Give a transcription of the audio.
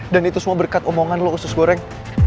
dan itu semua berkat omongan lo usus goreng